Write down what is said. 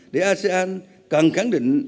để asean càng khẳng định